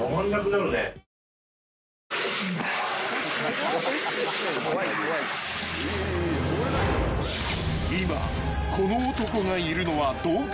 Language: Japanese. ［今この男がいるのは洞窟の中］